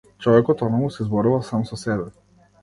Човекот онаму си зборува сам со себе.